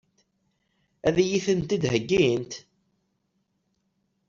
Ad iyi-ten-id-heggint?